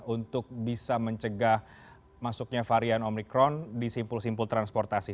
untuk bisa mencegah masuknya varian omikron di simpul simpul transportasi